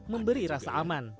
memberi rasa aman